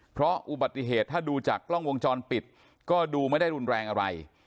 เพราะอุบัติเหตุถ้าดูจากกล้องวงจรปิดก็ดูไม่ได้รุนแรงอะไร